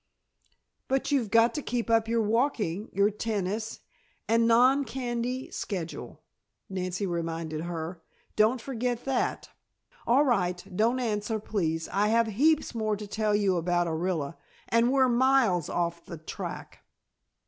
"But you've got to keep up your walking, your tennis and non candy schedule," Nancy reminded her. "Don't forget that. All right, don't answer, please, I have heaps more to tell you about Orilla and we're miles off the track."